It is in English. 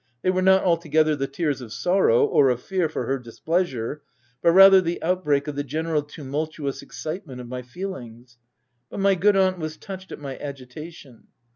They were not altogether the tears of sorrow, or of fear for her displeasure, but rather the outbreak of the general tumultuous excitement of my feelings. But my good aunt was touched at my agitation.